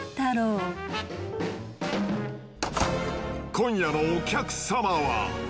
今夜のお客様は。